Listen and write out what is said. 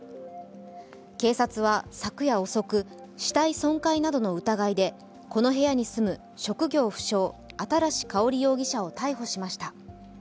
警察は昨夜遅く、死体損壊などの疑いで、この部屋に住む職業不詳新かほり容疑者を逮捕しました。